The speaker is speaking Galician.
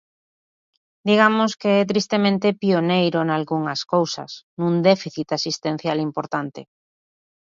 Digamos que é tristemente pioneiro nalgunhas cousas, nun déficit asistencial importante.